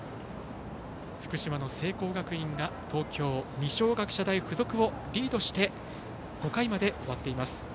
福島の聖光学院が東京・二松学舎大付属をリードして５回まで終わっています。